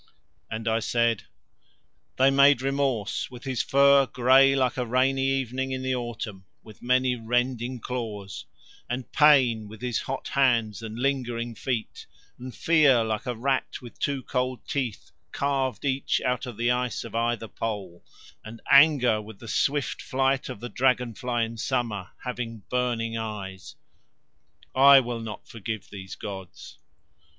And I said: "They made Remorse with his fur grey like a rainy evening in the autumn, with many rending claws, and Pain with his hot hands and lingering feet, and Fear like a rat with two cold teeth carved each out of the ice of either pole, and Anger with the swift flight of the dragonfly in summer having burning eyes. I will not forgive these gods."